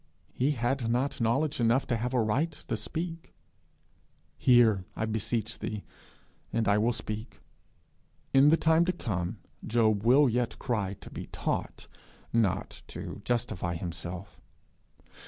He had not knowledge enough to have a right to speak. 'Hear, I beseech thee, and I will speak:' In the time to come, he will yet cry to be taught, not to justify himself.